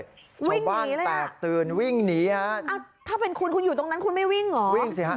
เจ้าบ้านแตกตื่นวิ่งหนีค่ะถ้าเป็นคุณคุณอยู่ตรงนั้นคุณไม่วิ่งเหรอ